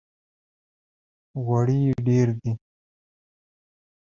غوړي یې ډېر دي!